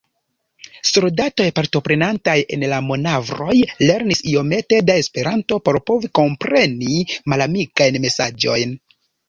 Soldatoj partoprenantaj en la manovroj lernis iomete da Esperanto por povi kompreni malamikajn mesaĝojn.